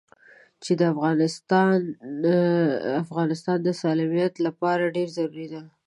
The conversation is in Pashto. چې د افغانستان د سالميت لپاره ډېره ضروري ده.